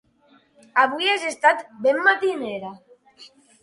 Avui has estat ben matinera.